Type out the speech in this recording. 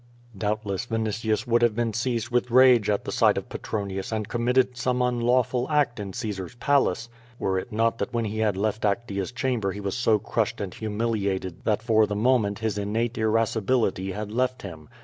Doubtless Vinitius would have been seized with rage at sight of Petronius and committed some unlawful act in Caesar's Palace, were it not that when he had left Actea's chamber he was so crushed and humiliated that for the mo ment his innate irascibility had left him.